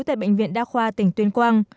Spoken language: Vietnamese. tại bệnh viện đa khoa tỉnh tuyên quang